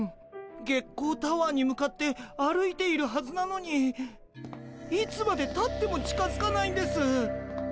月光タワーに向かって歩いているはずなのにいつまでたっても近づかないんです。